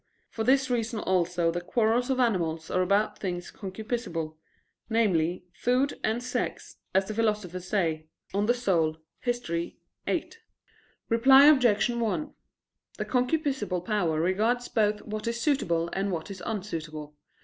For this reason also the quarrels of animals are about things concupiscible namely, food and sex, as the Philosopher says [*De Animal. Histor. viii.]. Reply Obj. 1: The concupiscible power regards both what is suitable and what is unsuitable.